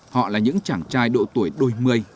họ là những chàng trai độ tuổi đôi mây